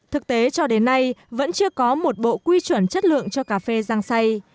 thực tế cho đến nay vẫn chưa có một bộ quy chuẩn chất lượng cho cà phê răng xay